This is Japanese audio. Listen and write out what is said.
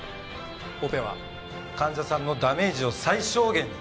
オペは患者さんのダメージを最小限に。